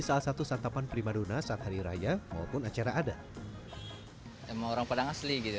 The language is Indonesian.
salah satu santapan prima dona saat hari raya maupun acara ada emang orang padang asli gitu